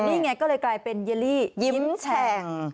นี่ไงก็เลยกลายเป็นเยลลี่ยิ้มแฉ่ง